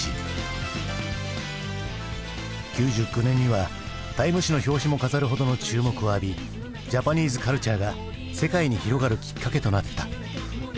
９９年には「ＴＩＭＥ」誌の表紙も飾るほどの注目を浴びジャパニーズカルチャーが世界に広がるきっかけとなった。